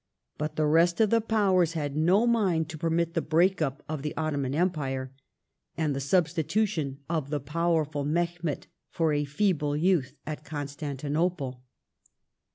But the rest of the Powers had no mind to permit the break up of the Ottoman Empire, and the sul)stitution of the powerful Mehemet for a feeble youth at Constantinople.